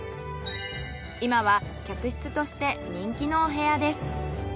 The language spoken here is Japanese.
今は客室として人気のお部屋です。